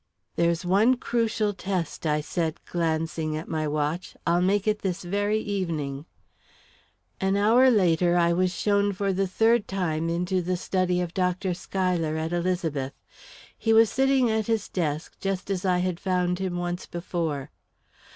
"There's one crucial test," I said, glancing at my watch. "I'll make it this very evening." An hour later, I was shown for the third time into the study of Dr. Schuyler at Elizabeth. He was sitting at his desk, just as I had found him once before.